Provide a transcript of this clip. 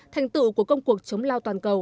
thành tựu của công cuộc chống lao toàn cầu